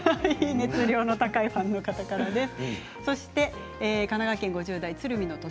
熱量の高いファンの方からです。